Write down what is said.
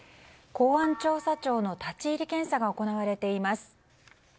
公安調査庁の立ち入り検査が行われています。